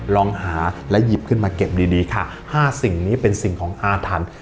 ลองหาและหยิบขึ้นมาเก็บดีดีค่ะ๕สิ่งนี้เป็นสิ่งของอาถรรพ์